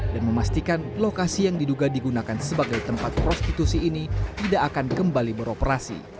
dan memastikan lokasi yang diduga digunakan sebagai tempat prostitusi ini tidak akan kembali beroperasi